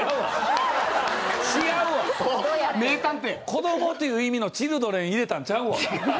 「子ども」という意味の「チルドレン」入れたんちゃうわ。